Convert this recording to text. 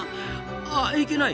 あいけない！